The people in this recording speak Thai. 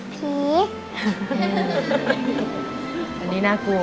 ผี